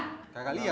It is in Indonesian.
gue tangkep nih